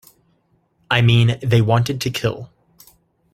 I mean, they wanted to kill.